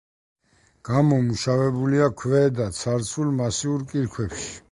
გამომუშავებულია ქვედაცარცულ მასიურ კირქვებში.